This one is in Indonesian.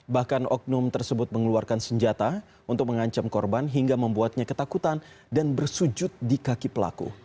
bahkan oknum tersebut mengeluarkan senjata untuk mengancam korban hingga membuatnya ketakutan dan bersujud di kaki pelaku